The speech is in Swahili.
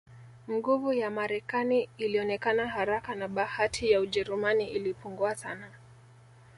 Nguvu ya Marekani ilionekana haraka na bahati ya Ujerumani ilipungua sana